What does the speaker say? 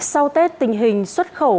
sau tết tình hình xuất khẩu